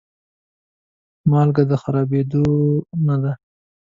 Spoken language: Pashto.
مالګه د خرابېدو نه ده.